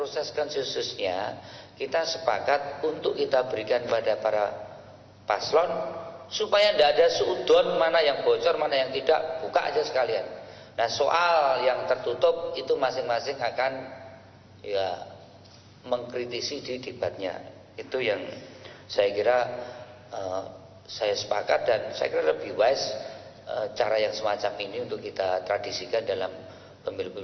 saya sepakat dan saya kira lebih wise cara yang semacam ini untuk kita tradisikan dalam pemilu pemilu